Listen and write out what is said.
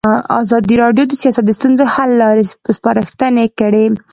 ازادي راډیو د سیاست د ستونزو حل لارې سپارښتنې کړي.